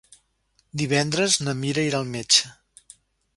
Divendres na Mira irà al metge.